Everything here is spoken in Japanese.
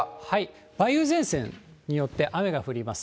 梅雨前線によって、雨が降ります。